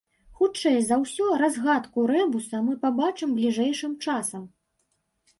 Хутчэй за ўсё, разгадку рэбуса мы пабачым бліжэйшым часам.